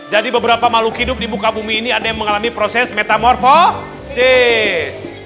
jadi beberapa makhluk hidup di muka bumi ini ada yang mengalami proses metamorfosis